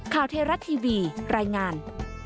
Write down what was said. ข่าวเทราะห์ทีวีรายงาน